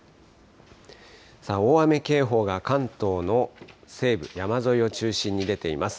大雨警報が関東の西部、山沿いを中心に出ています。